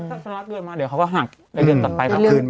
ถ้าชำระเกินมาเดี๋ยวเขาก็หากในเดือนต่ำไปขับคืนไหม